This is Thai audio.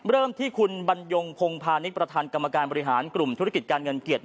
เริ่มที่คุณบรรยงพงพาณิชย์ประธานกรรมการบริหารกลุ่มธุรกิจการเงินเกียรติ